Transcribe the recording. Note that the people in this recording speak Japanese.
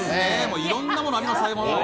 いろんなものがありますね。